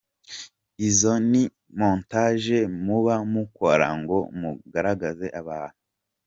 Izo ni montages muba mukora ngo murangaze abantu.